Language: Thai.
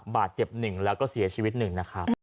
บาดเจ็บ๑แล้วก็เสียชีวิต๑นะครับ